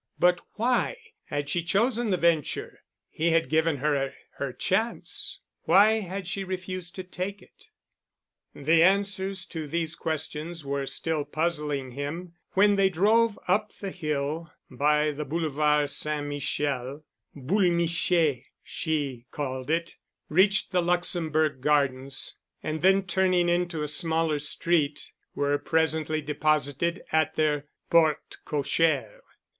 But why had she chosen the venture? He had given her her chance. Why had she refused to take it? The answers to these questions were still puzzling him when they drove up the hill by the Boulevard St. Michel—Boul' Miché she called it—reached the Luxembourg Gardens and then turning into a smaller street were presently deposited at their porte cochère.